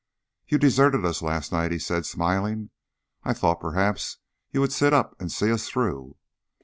"You deserted us last night," he said, smiling. "I thought perhaps you would sit up and see us through."